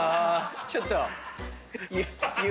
ちょっと。